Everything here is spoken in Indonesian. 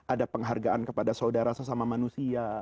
ada penghargaan kepada saudara sesama manusia